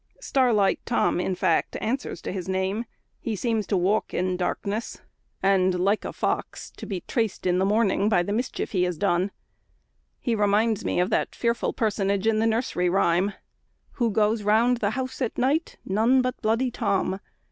Starlight Tom, in fact, answers to his name; he seems to walk in darkness, and, like a fox, to be traced in the morning by the mischief he has done. He reminds me of that fearful personage in the nursery rhyme: "Who goes round the house at night? None but bloody Tom!